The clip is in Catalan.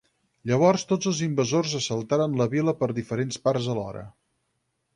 Llavors tots els invasors assaltaren la vila per diferents parts alhora.